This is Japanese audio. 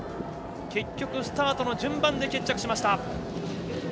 結局スタートの順番で決着です。